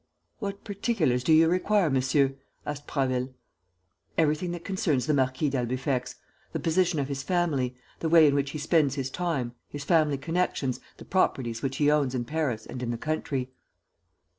"What particulars do you require, monsieur?" asked Prasville. "Everything that concerns the Marquis d'Albufex: the position of his family, the way in which he spends his time, his family connections, the properties which he owns in Paris and in the country."